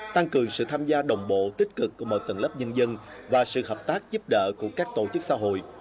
tăng cường sự tham gia đồng bộ tích cực của mọi tầng lớp nhân dân và sự hợp tác giúp đỡ của các tổ chức xã hội